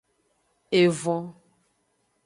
Evon.